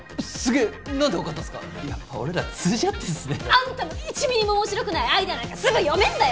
あんたの１ミリも面白くないアイデアなんかすぐ読めんだよ！